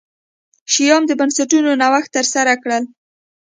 شیام د بنسټونو نوښت ترسره کړل.